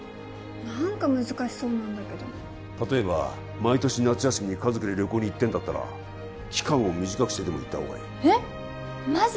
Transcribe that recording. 何か難しそうなんだけど例えば毎年夏休みに家族で旅行に行ってんだったら期間を短くしてでも行ったほうがいいえっマジ？